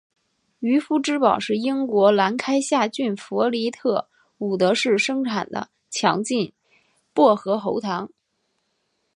渔夫之宝是英国兰开夏郡弗利特伍德市生产的强劲薄荷喉糖。